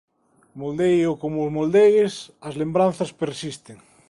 Moldéelo como o moldees, as lembranzas persisten.